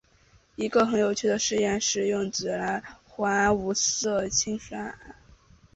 一个很有趣的试验是用锌来还原无色的钒酸铵。